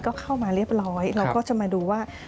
ก็เข้ามาเรียบร้อยเราก็จะมาดูว่า